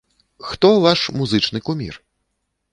Хто ваш музычны кумір?